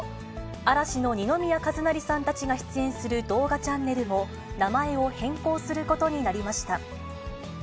嵐の二宮和也さんたちが出演する動画チャンネルも名前を変更することになりました。